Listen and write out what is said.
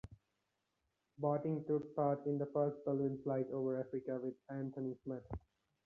Botting took part in the first balloon flight over Africa, with Anthony Smith.